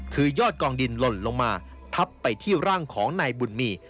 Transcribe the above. คือยอดกองดินหล่นลงมาทับไปที่ร่างของนายบุญมี